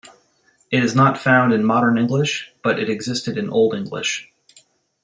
It is not found in Modern English but it existed in Old English.